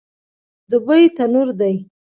دوبی تنور دی